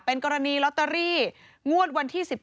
เป็นกรณีลอตเตอรี่งวดวันที่